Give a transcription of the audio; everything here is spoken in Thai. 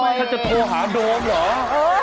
ท่านจะโทรหาโดมเหรอ